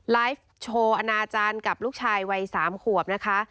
ไลฟ์โชว์อนาจารย์กับลูกชายวัย๓ขวบนะคะ